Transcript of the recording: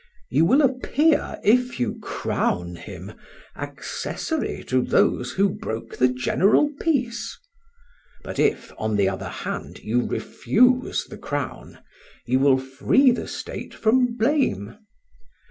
You will appear, if you crown him, accessory to those who broke the general peace. But if, on the other hand, you refuse the crown, you will free the State from blame.